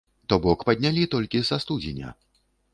То бок паднялі толькі са студзеня.